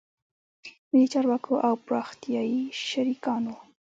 ملي چارواکو او پراختیایي شریکانو